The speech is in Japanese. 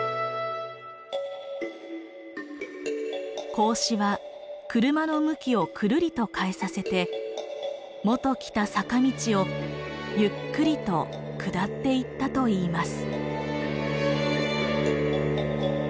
孔子は車の向きをくるりと変えさせてもと来た坂道をゆっくりと下っていったといいます。